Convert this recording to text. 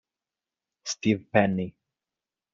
Steve Penney